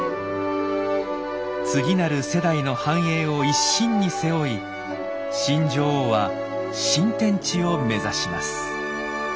次なる世代の繁栄を一身に背負い新女王は新天地を目指します。